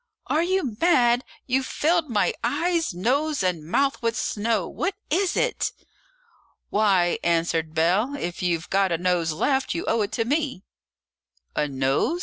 "Are you mad? You've filled my eyes, nose, and mouth with snow. What is it?" "Why," answered Bell, "if you've got a nose left, you owe it to me." "A nose?"